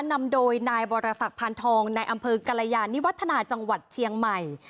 นำโดยนายบรสักพานทองในอำเภอกรยานิวัฒนาจังหวัดเชียงใหม่